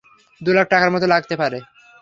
দু লাখ টাকার মতো লাগতে পারে।